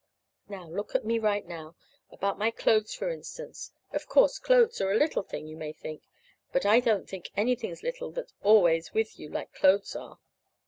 Now, look at me right now about my clothes, for instance. (Of course clothes are a little thing, you may think; but I don't think anything's little that's always with you like clothes are!)